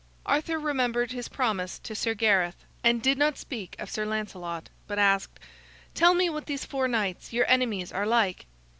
Arthur remembered his promise to Sir Gareth, and did not speak of Sir Lancelot, but asked: "Tell me what these four knights, your enemies, are like."